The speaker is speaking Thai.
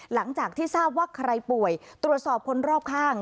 หลังจากที่ทราบว่าใครป่วยตรวจสอบคนรอบข้าง